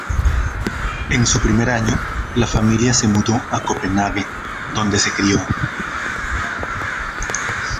En su primer año, la familia se mudó a Copenhague, donde se crio.